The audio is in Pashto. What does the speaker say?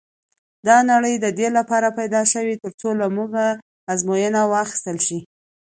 دا نړۍ د دې لپاره پيدا شوې تر څو له موږ ازموینه واخیستل شي.